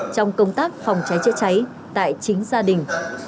trong công tác phòng cháy chữa cháy tại chính gia đình